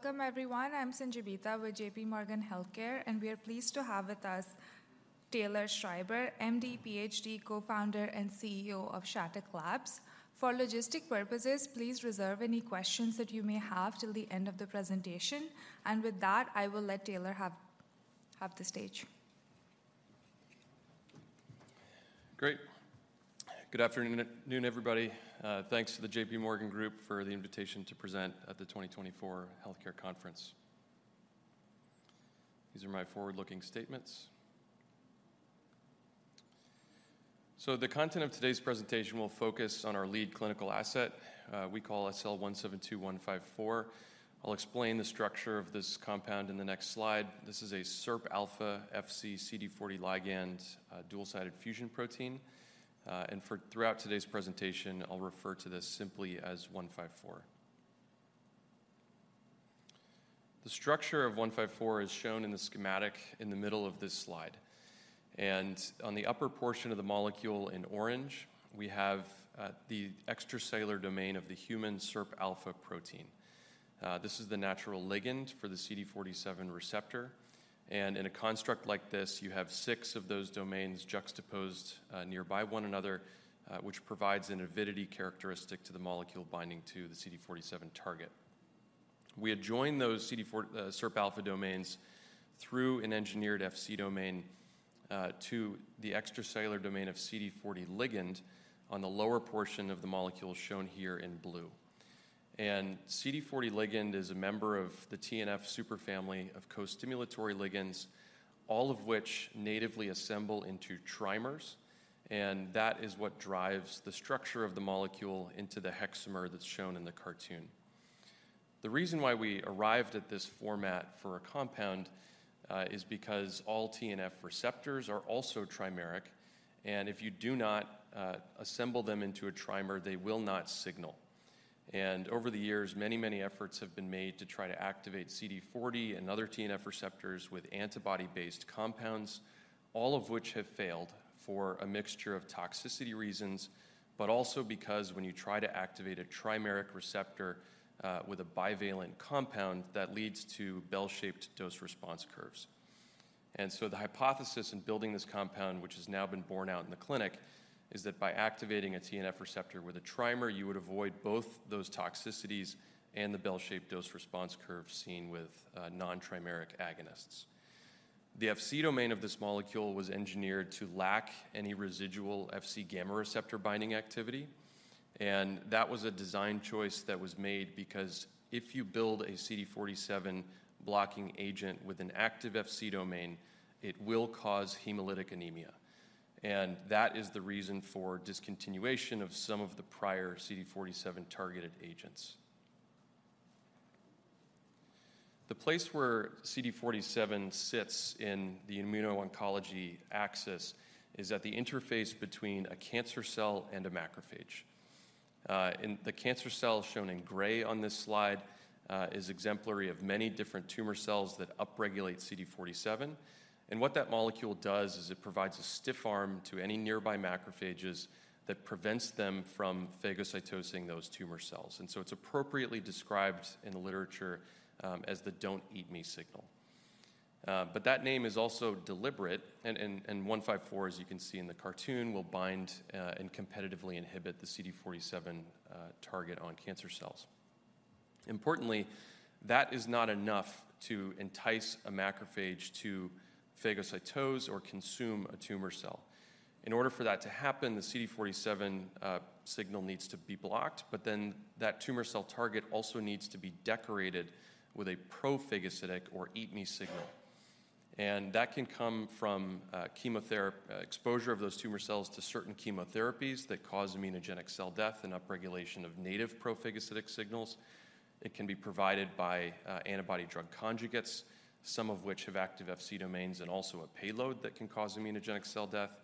Welcome, everyone. I'm Sanjibita with J.P. Morgan Healthcare, and we are pleased to have with us Taylor Schreiber, M.D., Ph.D., Co-founder and CEO of Shattuck Labs. For logistical purposes, please reserve any questions that you may have till the end of the presentation. With that, I will let Taylor have the stage. Great. Good afternoon, everyone. Thanks to the J.P. Morgan group for the invitation to present at the 2024 Healthcare Conference. These are my forward-looking statements. So the content of today's presentation will focus on our lead clinical asset, we call SL-172154. I'll explain the structure of this compound in the next slide. This is a SIRPα-Fc-CD40 ligand dual-sided fusion protein. And throughout today's presentation, I'll refer to this simply as 154. The structure of 154 is shown in the schematic in the middle of this slide. And on the upper portion of the molecule in orange, we have the extracellular domain of the human SIRPα protein. This is the natural ligand for the CD47 receptor, and in a construct like this, you have six of those domains juxtaposed nearby one another, which provides an avidity characteristic to the molecule binding to the CD47 target. We adjoin those SIRPα domains through an engineered Fc domain to the extracellular domain of CD40 ligand on the lower portion of the molecule shown here in blue. CD40 ligand is a member of the TNF superfamily of co-stimulatory ligands, all of which natively assemble into trimers, and that is what drives the structure of the molecule into the hexamer that's shown in the cartoon. The reason why we arrived at this format for a compound is because all TNF receptors are also trimeric, and if you do not assemble them into a trimer, they will not signal. Over the years, many, many efforts have been made to try to activate CD40 and other TNF receptors with antibody-based compounds, all of which have failed for a mixture of toxicity reasons, but also because when you try to activate a trimeric receptor with a bivalent compound, that leads to bell-shaped dose response curves. So the hypothesis in building this compound, which has now been borne out in the clinic, is that by activating a TNF receptor with a trimer, you would avoid both those toxicities and the bell-shaped dose response curve seen with non-trimeric agonists. The Fc domain of this molecule was engineered to lack any residual Fc gamma receptor binding activity, and that was a design choice that was made because if you build a CD47 blocking agent with an active Fc domain, it will cause hemolytic anemia. That is the reason for discontinuation of some of the prior CD47 targeted agents. The place where CD47 sits in the immuno-oncology axis is at the interface between a cancer cell and a macrophage. And the cancer cell shown in gray on this slide is exemplary of many different tumor cells that upregulate CD47. And what that molecule does is it provides a stiff arm to any nearby macrophages that prevents them from phagocytosing those tumor cells. And so it's appropriately described in the literature as the "don't eat me" signal. But that name is also deliberate, and SL-172154, as you can see in the cartoon, will bind and competitively inhibit the CD47 target on cancer cells. Importantly, that is not enough to entice a macrophage to phagocytose or consume a tumor cell. In order for that to happen, the CD47 signal needs to be blocked, but then that tumor cell target also needs to be decorated with a pro-phagocytic or "eat me" signal. That can come from exposure of those tumor cells to certain chemotherapies that cause immunogenic cell death and upregulation of native pro-phagocytic signals. It can be provided by antibody-drug conjugates, some of which have active Fc domains and also a payload that can cause immunogenic cell death,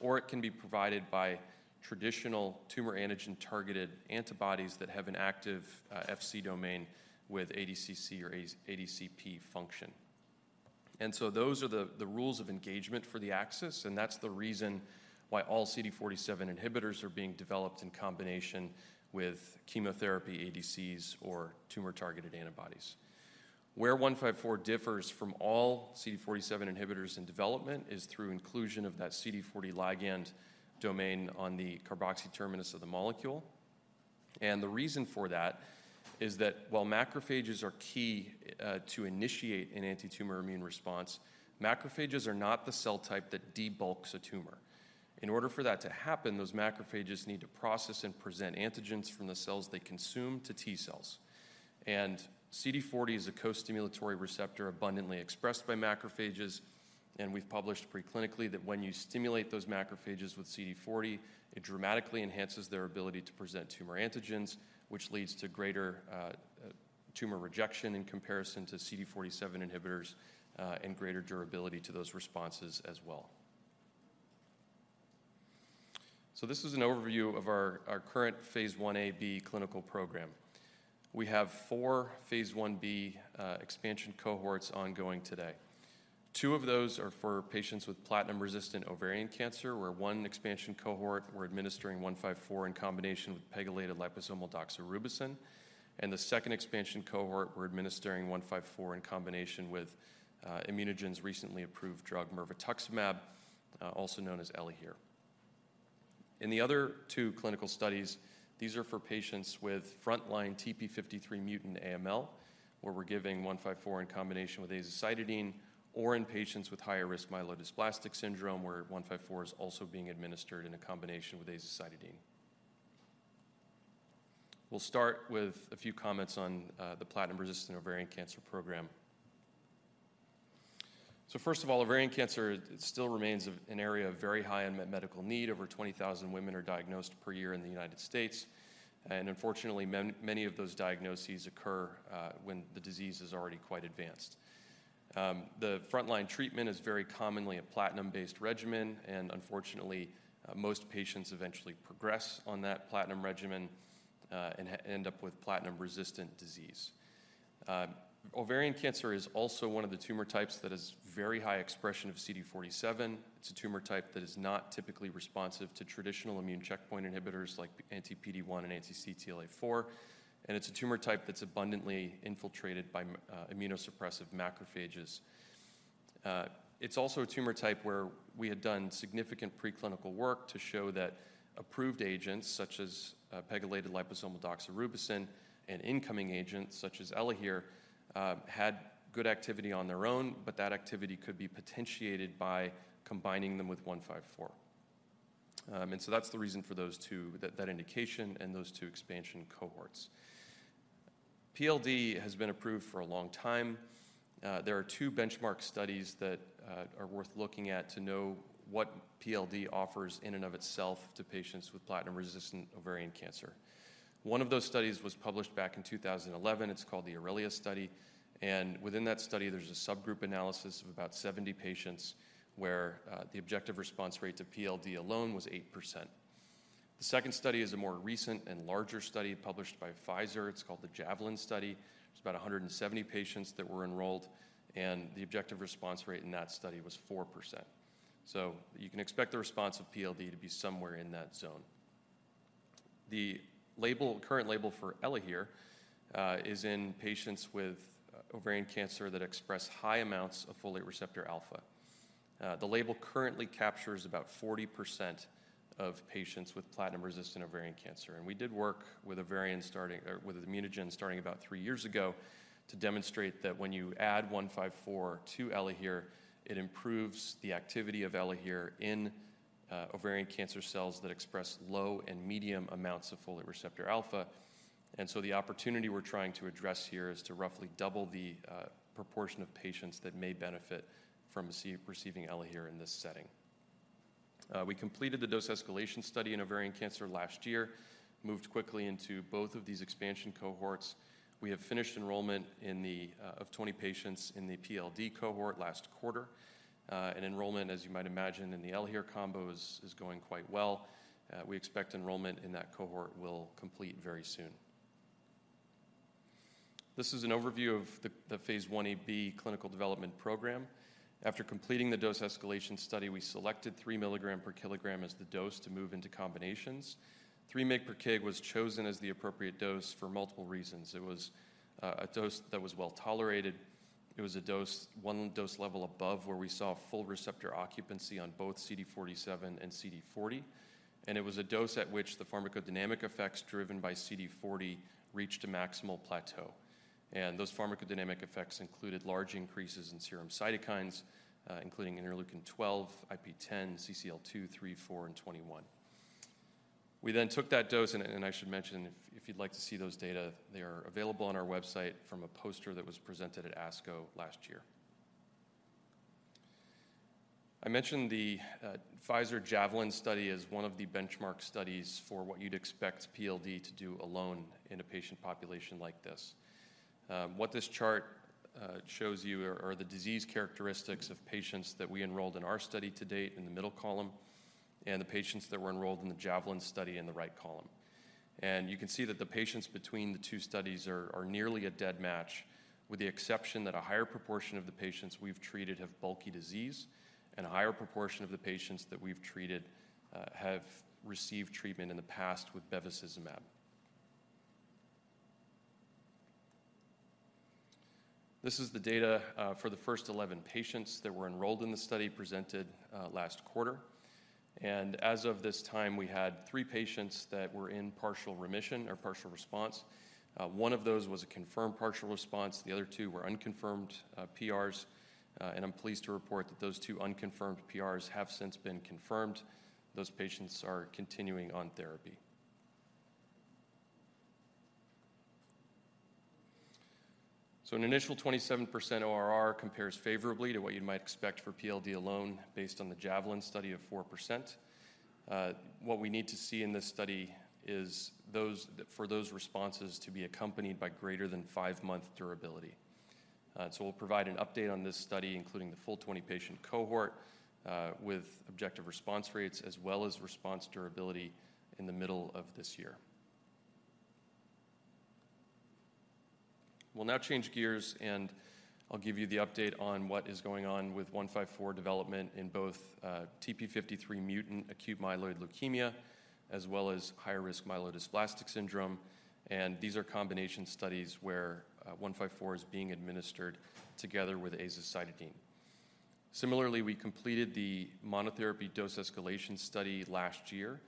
or it can be provided by traditional tumor antigen-targeted antibodies that have an active Fc domain with ADCC or ADCP function. And so those are the rules of engagement for the axis, and that's the reason why all CD47 inhibitors are being developed in combination with chemotherapy, ADCs, or tumor-targeted antibodies. Where 154 differs from all CD47 inhibitors in development is through inclusion of that CD40 ligand domain on the carboxy terminus of the molecule. The reason for that is that while macrophages are key to initiate an antitumor immune response, macrophages are not the cell type that debulks a tumor. In order for that to happen, those macrophages need to process and present antigens from the cells they consume to T cells. CD40 is a co-stimulatory receptor abundantly expressed by macrophages, and we've published preclinically that when you stimulate those macrophages with CD40, it dramatically enhances their ability to present tumor antigens, which leads to greater tumor rejection in comparison to CD47 inhibitors and greater durability to those responses as well. So this is an overview of our current phase 1A/B clinical program. We have four phase 1b expansion cohorts ongoing today. Two of those are for patients with platinum-resistant ovarian cancer, where one expansion cohort, we're administering 154 in combination with pegylated liposomal doxorubicin. And the second expansion cohort, we're administering 154 in combination with ImmunoGen's recently approved drug mirvetuximab, also known as ELAHERE. In the other two clinical studies, these are for patients with frontline TP53 mutant AML, where we're giving 154 in combination with azacitidine, or in patients with higher risk myelodysplastic syndrome, where 154 is also being administered in a combination with azacitidine. We'll start with a few comments on the platinum-resistant ovarian cancer program. So first of all, ovarian cancer still remains an area of very high unmet medical need. Over 20,000 women are diagnosed per year in the United States, and unfortunately, many of those diagnoses occur when the disease is already quite advanced. The frontline treatment is very commonly a platinum-based regimen, and unfortunately, most patients eventually progress on that platinum regimen and end up with platinum-resistant disease. Ovarian cancer is also one of the tumor types that has very high expression of CD47. It's a tumor type that is not typically responsive to traditional immune checkpoint inhibitors like anti-PD-1 and anti-CTLA-4, and it's a tumor type that's abundantly infiltrated by immunosuppressive macrophages. It's also a tumor type where we had done significant preclinical work to show that approved agents, such as pegylated liposomal doxorubicin and incoming agents, such as ELAHERE, had good activity on their own, but that activity could be potentiated by combining them with 154. And so that's the reason for those two, that indication and those two expansion cohorts. PLD has been approved for a long time. There are two benchmark studies that are worth looking at to know what PLD offers in and of itself to patients with platinum-resistant ovarian cancer. One of those studies was published back in 2011. It's called the AURELIA study, and within that study, there's a subgroup analysis of about 70 patients where the objective response rate to PLD alone was 8%. The second study is a more recent and larger study published by Pfizer. It's called the JAVELIN study. It's about 170 patients that were enrolled, and the objective response rate in that study was 4%. So you can expect the response of PLD to be somewhere in that zone. The label, current label for ELAHERE, is in patients with ovarian cancer that express high amounts of folate receptor alpha. The label currently captures about 40% of patients with platinum-resistant ovarian cancer, and we did work with ImmunoGen starting about three years ago to demonstrate that when you add 154 to ELAHERE, it improves the activity of ELAHERE in ovarian cancer cells that express low and medium amounts of folate receptor alpha. And so the opportunity we're trying to address here is to roughly double the proportion of patients that may benefit from receiving ELAHERE in this setting. We completed the dose escalation study in ovarian cancer last year, moved quickly into both of these expansion cohorts. We have finished enrollment of 20 patients in the PLD cohort last quarter. And enrollment, as you might imagine, in the ELAHERE combo is going quite well. We expect enrollment in that cohort will complete very soon. This is an overview of the phase 1a/b clinical development program. After completing the dose escalation study, we selected 3 milligram per kilogram as the dose to move into combinations. 3 mg per kg was chosen as the appropriate dose for multiple reasons. It was a dose that was well-tolerated. It was a dose, one dose level above where we saw a full receptor occupancy on both CD47 and CD40, and it was a dose at which the pharmacodynamic effects driven by CD40 reached a maximal plateau. And those pharmacodynamic effects included large increases in serum cytokines, including interleukin 12, IP-10, CCL2, CCL3, CCL4, and CCL21. We then took that dose, and, and I should mention, if, if you'd like to see those data, they are available on our website from a poster that was presented at ASCO last year. I mentioned the Pfizer JAVELIN study as one of the benchmark studies for what you'd expect PLD to do alone in a patient population like this. What this chart shows you are the disease characteristics of patients that we enrolled in our study to date in the middle column, and the patients that were enrolled in the JAVELIN study in the right column. You can see that the patients between the two studies are nearly a dead match, with the exception that a higher proportion of the patients we've treated have bulky disease, and a higher proportion of the patients that we've treated have received treatment in the past with bevacizumab. This is the data for the first 11 patients that were enrolled in the study presented last quarter. As of this time, we had three patients that were in partial remission or partial response. One of those was a confirmed partial response, the other two were unconfirmed PRs. I'm pleased to report that those two unconfirmed PRs have since been confirmed. Those patients are continuing on therapy. An initial 27% ORR compares favorably to what you might expect for PLD alone, based on the JAVELIN study of 4%. What we need to see in this study is those, for those responses to be accompanied by greater than 5-month durability. So we'll provide an update on this study, including the full 20-patient cohort, with objective response rates as well as response durability in the middle of this year. We'll now change gears, and I'll give you the update on what is going on with 154 development in both TP53 mutant acute myeloid leukemia, as well as high-risk myelodysplastic syndrome. These are combination studies where 154 is being administered together with azacitidine. Similarly, we completed the monotherapy dose escalation study last year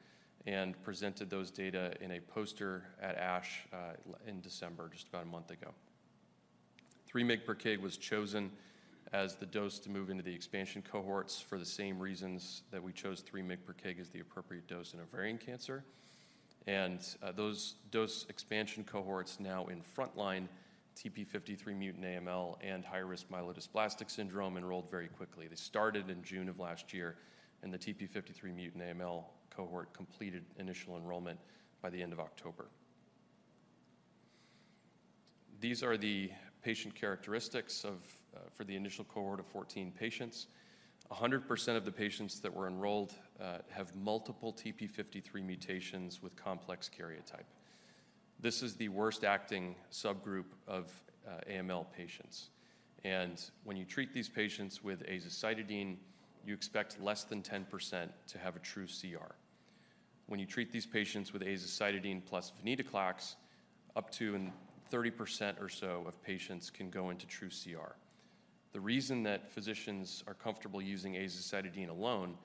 and presented those data in a poster at ASH in December, just about a month ago. 3 mg per kg was chosen as the dose to move into the expansion cohorts for the same reasons that we chose 3 mg per kg as the appropriate dose in ovarian cancer. Those dose expansion cohorts now in frontline TP53 mutant AML and high-risk myelodysplastic syndrome enrolled very quickly. They started in June of last year, and the TP53 mutant AML cohort completed initial enrollment by the end of October. These are the patient characteristics of for the initial cohort of 14 patients. 100% of the patients that were enrolled have multiple TP53 mutations with complex karyotype. This is the worst acting subgroup of AML patients. When you treat these patients with azacitidine, you expect less than 10% to have a true CR. When you treat these patients with azacitidine plus venetoclax, up to 30% or so of patients can go into true CR. The reason that physicians are comfortable using azacitidine alone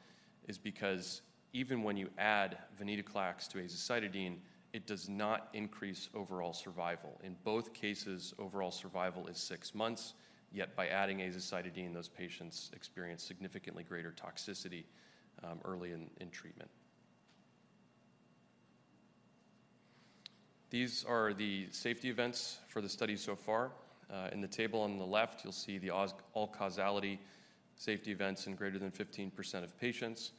is because even when you add venetoclax to azacitidine, it does not increase overall survival. In both cases, overall survival is six months, yet by adding azacitidine, those patients experience significantly greater toxicity early in treatment. These are the safety events for the study so far. In the table on the left, you'll see the all causality safety events in greater than 15% of patients.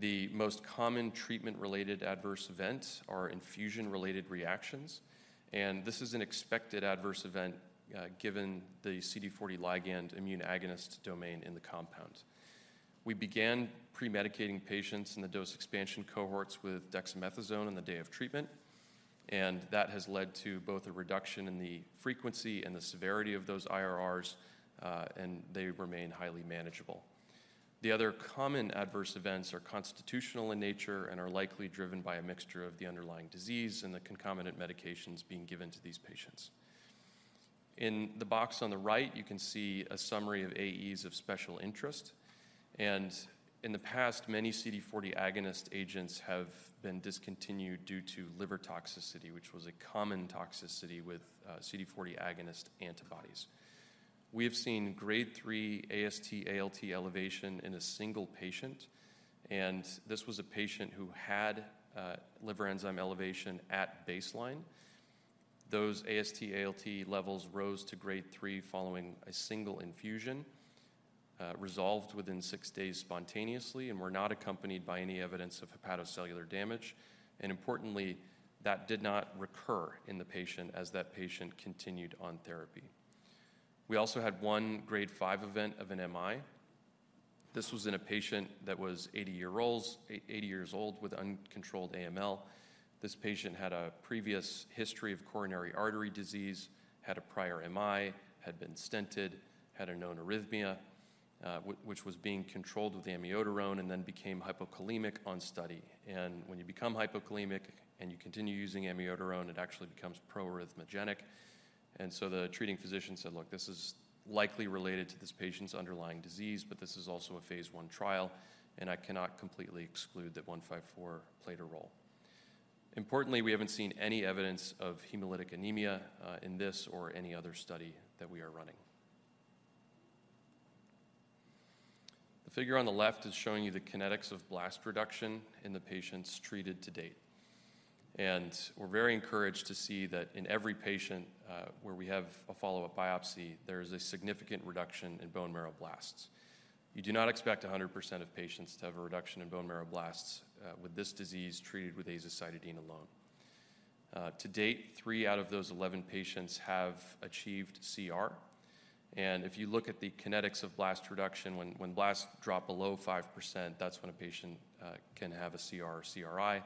The most common treatment-related adverse events are infusion-related reactions, and this is an expected adverse event given the CD40 ligand immune agonist domain in the compound. We began pre-medicating patients in the dose expansion cohorts with dexamethasone on the day of treatment, and that has led to both a reduction in the frequency and the severity of those IRRs, and they remain highly manageable. The other common adverse events are constitutional in nature and are likely driven by a mixture of the underlying disease and the concomitant medications being given to these patients. In the box on the right, you can see a summary of AEs of special interest. In the past, many CD40 agonist agents have been discontinued due to liver toxicity, which was a common toxicity with CD40 agonist antibodies. We have seen grade 3 AST/ALT elevation in a single patient, and this was a patient who had liver enzyme elevation at baseline. Those AST/ALT levels rose to grade 3 following a single infusion, resolved within 6 days spontaneously and were not accompanied by any evidence of hepatocellular damage. Importantly, that did not recur in the patient as that patient continued on therapy. We also had one grade 5 event of an MI. This was in a patient that was 80 years old with uncontrolled AML. This patient had a previous history of coronary artery disease, had a prior MI, had been stented, had a known arrhythmia, which was being controlled with amiodarone, and then became hypokalemic on study. When you become hypokalemic and you continue using amiodarone, it actually becomes pro-arrhythmogenic. The treating physician said, "Look, this is likely related to this patient's underlying disease, but this is also a phase 1 trial, and I cannot completely exclude that 154 played a role." Importantly, we haven't seen any evidence of hemolytic anemia in this or any other study that we are running. The figure on the left is showing you the kinetics of blast reduction in the patients treated to date. We're very encouraged to see that in every patient where we have a follow-up biopsy, there is a significant reduction in bone marrow blasts. You do not expect 100% of patients to have a reduction in bone marrow blasts with this disease treated with azacitidine alone. To date, 3 out of those 11 patients have achieved CR. If you look at the kinetics of blast reduction, when blasts drop below 5%, that's when a patient can have a CR or CRi.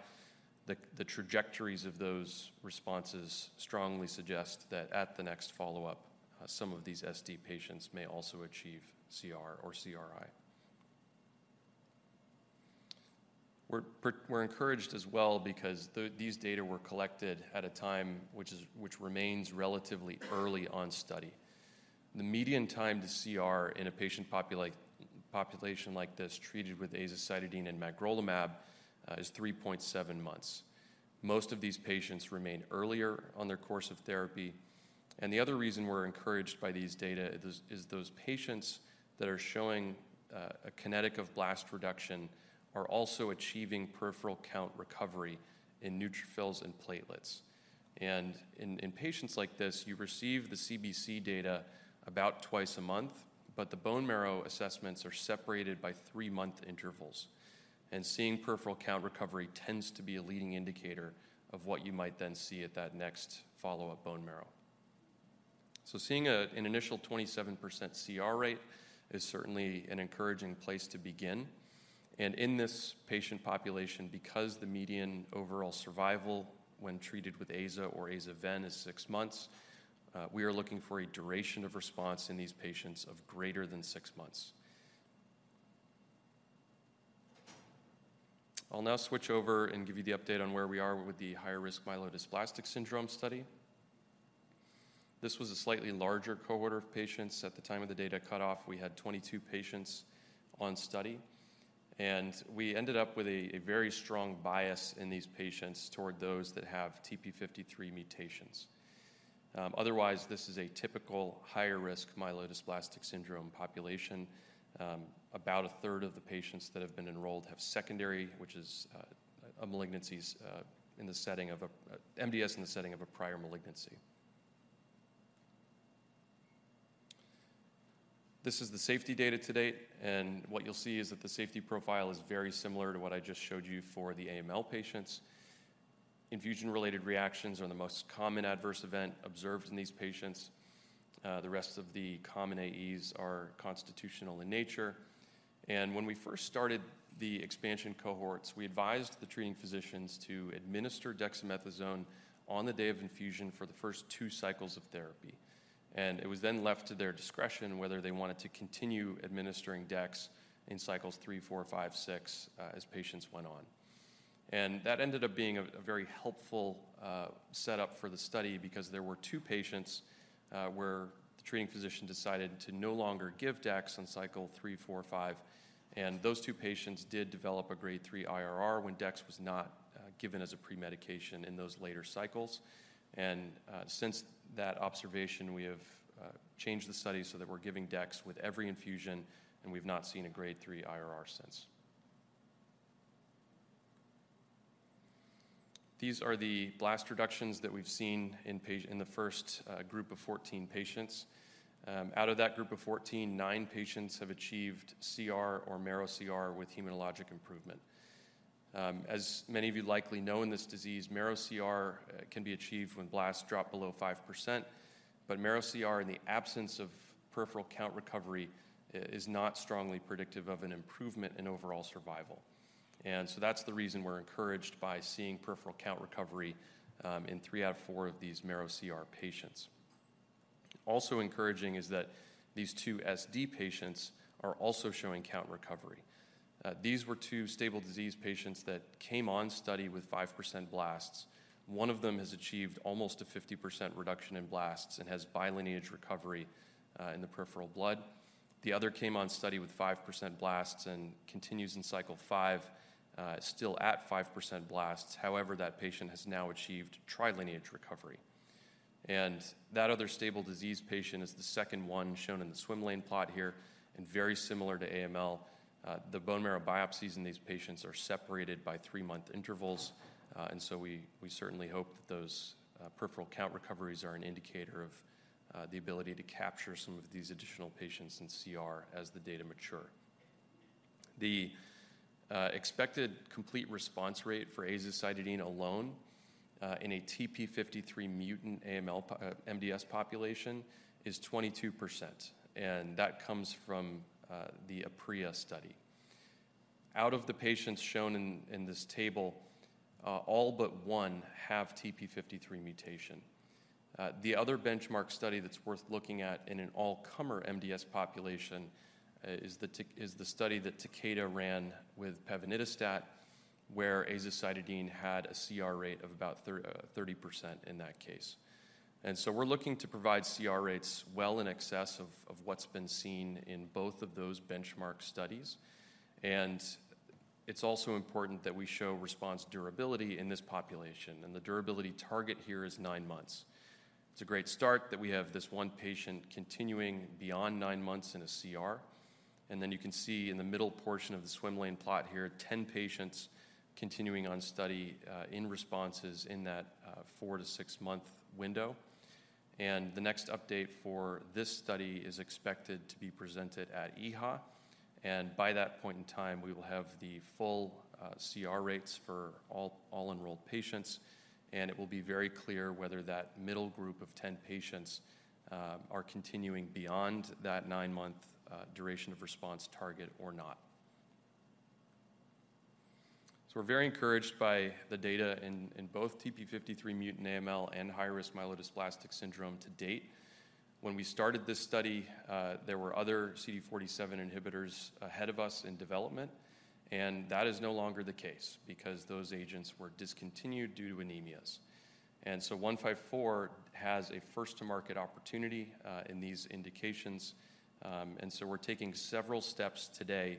The trajectories of those responses strongly suggest that at the next follow-up, some of these SD patients may also achieve CR or CRi. We're encouraged as well because these data were collected at a time which remains relatively early on study. The median time to CR in a patient population like this, treated with azacitidine and magrolimab, is 3.7 months. Most of these patients remain earlier on their course of therapy. And the other reason we're encouraged by these data is those patients that are showing a kinetic of blast reduction are also achieving peripheral count recovery in neutrophils and platelets. In patients like this, you receive the CBC data about twice a month, but the bone marrow assessments are separated by three-month intervals. Seeing peripheral count recovery tends to be a leading indicator of what you might then see at that next follow-up bone marrow... So seeing an initial 27% CR rate is certainly an encouraging place to begin. In this patient population, because the median overall survival when treated with aza or azaven is six months, we are looking for a duration of response in these patients of greater than six months. I'll now switch over and give you the update on where we are with the high-risk myelodysplastic syndrome study. This was a slightly larger cohort of patients. At the time of the data cutoff, we had 22 patients on study, and we ended up with a very strong bias in these patients toward those that have TP53 mutations. Otherwise, this is a typical higher-risk myelodysplastic syndrome population. About a third of the patients that have been enrolled have secondary MDS in the setting of a prior malignancy. This is the safety data to date, and what you'll see is that the safety profile is very similar to what I just showed you for the AML patients. Infusion-related reactions are the most common adverse event observed in these patients. The rest of the common AEs are constitutional in nature. When we first started the expansion cohorts, we advised the treating physicians to administer dexamethasone on the day of infusion for the first two cycles of therapy. It was then left to their discretion whether they wanted to continue administering dex in cycles three, four, five, six, as patients went on. That ended up being a very helpful setup for the study because there were two patients where the treating physician decided to no longer give dex in cycle three, four, or five, and those two patients did develop a grade three IRR when dex was not given as a premedication in those later cycles. Since that observation, we have changed the study so that we're giving dex with every infusion, and we've not seen a grade three IRR since. These are the blast reductions that we've seen in patients in the first group of 14 patients. Out of that group of 14, nine patients have achieved CR or marrow CR with hematologic improvement. As many of you likely know, in this disease, marrow CR can be achieved when blasts drop below 5%, but marrow CR in the absence of peripheral count recovery is not strongly predictive of an improvement in overall survival. And so that's the reason we're encouraged by seeing peripheral count recovery in 3 out of 4 of these marrow CR patients. Also encouraging is that these two SD patients are also showing count recovery. These were two stable disease patients that came on study with 5% blasts. One of them has achieved almost a 50% reduction in blasts and has bi-lineage recovery in the peripheral blood. The other came on study with 5% blasts and continues in cycle 5, still at 5% blasts. However, that patient has now achieved tri-lineage recovery. That other stable disease patient is the second one shown in the swim lane plot here, and very similar to AML, the bone marrow biopsies in these patients are separated by three-month intervals, and so we certainly hope that those peripheral count recoveries are an indicator of the ability to capture some of these additional patients in CR as the data mature. The expected complete response rate for azacitidine alone in a TP53 mutant AML pop-MDS population is 22%, and that comes from the Aprea study. Out of the patients shown in this table, all but one have TP53 mutation. The other benchmark study that's worth looking at in an all-comer MDS population is the study that Takeda ran with pevonedistat, where azacitidine had a CR rate of about 30% in that case. And so we're looking to provide CR rates well in excess of what's been seen in both of those benchmark studies. And it's also important that we show response durability in this population, and the durability target here is nine months. It's a great start that we have this one patient continuing beyond nine months in a CR. And then you can see in the middle portion of the swim lane plot here, 10 patients continuing on study in responses in that 4-6-month window. And the next update for this study is expected to be presented at EHA, and by that point in time, we will have the full CR rates for all enrolled patients, and it will be very clear whether that middle group of 10 patients are continuing beyond that 9-month duration of response target or not. So we're very encouraged by the data in both TP53 mutant AML and higher-risk myelodysplastic syndrome to date. When we started this study, there were other CD47 inhibitors ahead of us in development, and that is no longer the case because those agents were discontinued due to anemias. And so 154 has a first-to-market opportunity in these indications, and so we're taking several steps today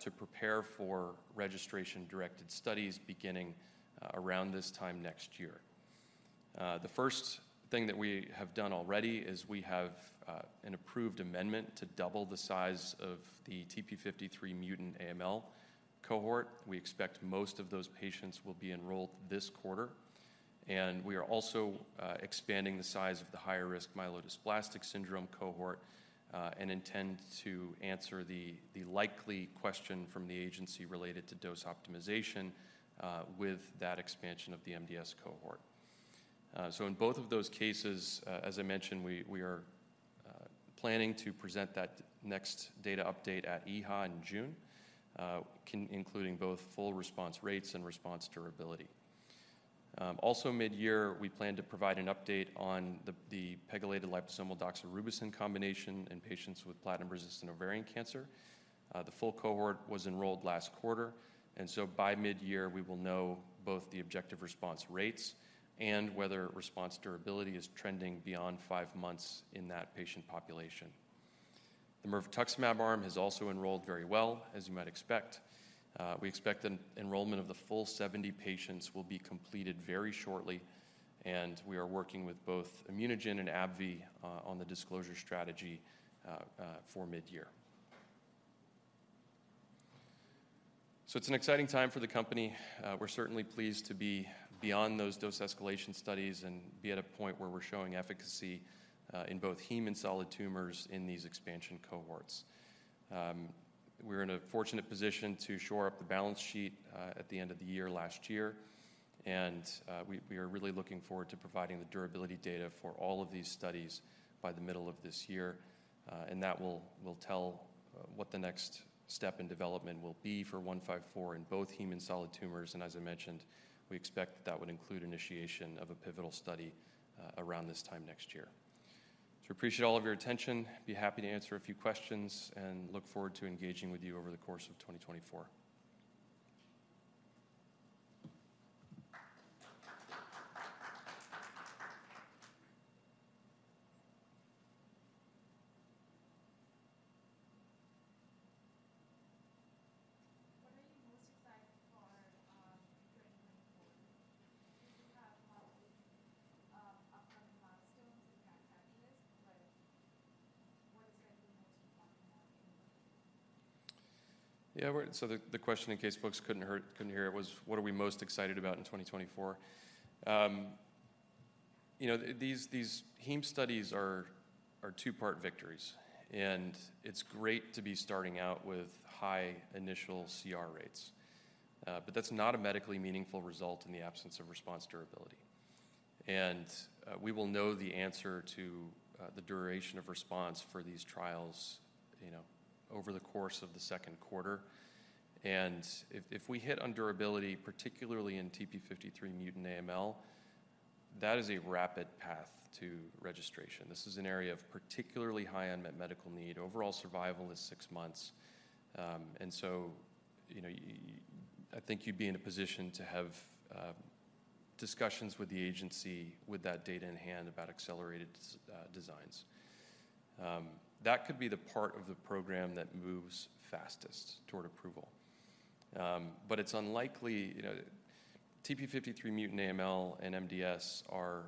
to prepare for registration-directed studies beginning around this time next year. The first thing that we have done already is we have an approved amendment to double the size of the TP53 mutant AML cohort. We expect most of those patients will be enrolled this quarter, and we are also expanding the size of the higher-risk myelodysplastic syndrome cohort and intend to answer the likely question from the agency related to dose optimization with that expansion of the MDS cohort. So in both of those cases, as I mentioned, we are planning to present that next data update at EHA in June, including both full response rates and response durability. Also mid-year, we plan to provide an update on the pegylated liposomal doxorubicin combination in patients with platinum-resistant ovarian cancer. The full cohort was enrolled last quarter, and so by mid-year, we will know both the objective response rates and whether response durability is trending beyond five months in that patient population. The mirvetuximab arm has also enrolled very well, as you might expect. We expect enrollment of the full 70 patients will be completed very shortly, and we are working with both ImmunoGen and AbbVie on the disclosure strategy for mid-year. So it's an exciting time for the company. We're certainly pleased to be beyond those dose escalation studies and be at a point where we're showing efficacy in both heme and solid tumors in these expansion cohorts. We're in a fortunate position to shore up the balance sheet at the end of the year last year, and we are really looking forward to providing the durability data for all of these studies by the middle of this year. And that will tell what the next step in development will be for 154 in both heme and solid tumors. And as I mentioned, we expect that that would include initiation of a pivotal study around this time next year. So appreciate all of your attention. Be happy to answer a few questions and look forward to engaging with you over the course of 2024. What are you most excited for, during 2024? Do you have, upcoming milestones in that checklist, like what excited the most about now? Yeah, so the question, in case folks couldn't hear it, was, what are we most excited about in 2024? You know, these heme studies are two-part victories, and it's great to be starting out with high initial CR rates. But that's not a medically meaningful result in the absence of response durability. And we will know the answer to the duration of response for these trials, you know, over the course of the second quarter. And if we hit on durability, particularly in TP53 mutant AML, that is a rapid path to registration. This is an area of particularly high unmet medical need. Overall survival is six months, and so, you know, I think you'd be in a position to have discussions with the agency with that data in hand about accelerated designs. That could be the part of the program that moves fastest toward approval. But it's unlikely, you know. TP53 mutant AML and MDS are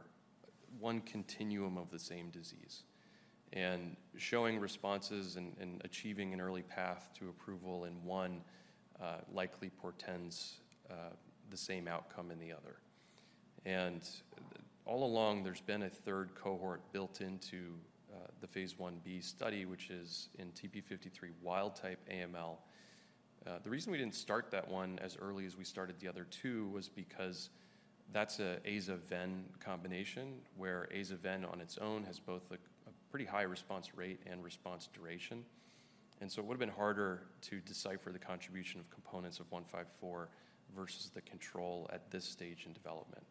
one continuum of the same disease, and showing responses and achieving an early path to approval in one likely portends the same outcome in the other. And all along, there's been a third cohort built into the phase 1b study, which is in TP53 wild type AML. The reason we didn't start that one as early as we started the other two was because that's a azaven combination, where azaven on its own has both a, a pretty high response rate and response duration. And so it would have been harder to decipher the contribution of components of 154 versus the control at this stage in development.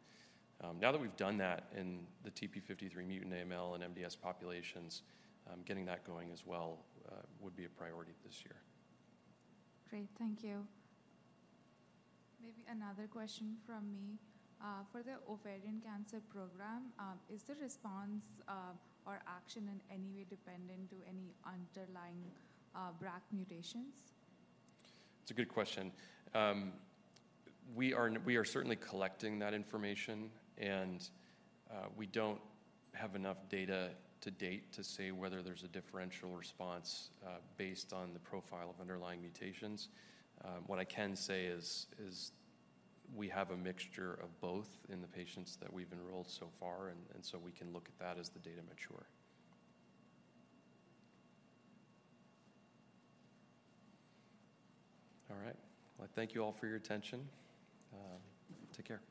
Now that we've done that in the TP53 mutant AML and MDS populations, getting that going as well would be a priority this year. Great. Thank you. Maybe another question from me. For the ovarian cancer program, is the response, or action in any way dependent to any underlying, BRCA mutations? It's a good question. We are certainly collecting that information, and we don't have enough data to date to say whether there's a differential response based on the profile of underlying mutations. What I can say is we have a mixture of both in the patients that we've enrolled so far, and so we can look at that as the data mature. All right. Well, thank you all for your attention. Take care.